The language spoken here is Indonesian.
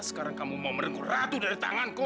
sekarang kamu mau merenggut ratu dari tanganku